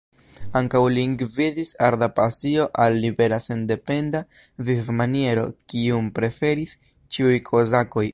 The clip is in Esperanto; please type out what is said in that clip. Ankaŭ lin gvidis arda pasio al libera, sendependa vivmaniero, kiun preferis ĉiuj kozakoj.